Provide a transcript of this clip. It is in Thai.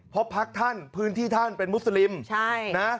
เพราะพักท่านพื้นที่ท่านเป็นมุสลิม